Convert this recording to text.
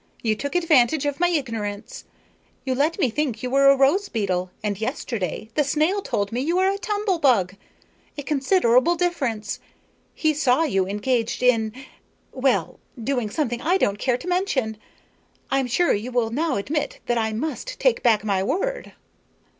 You took advantage of my ignorance. You let me think you were a rose beetle and yesterday the snail told me you are a tumble bug. A considerable difference! He saw you engaged in well, doing something I don't care to mention. I'm sure you will now admit that I must take back my word."